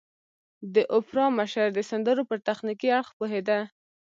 د اوپرا مشر د سندرو پر تخنيکي اړخ پوهېده.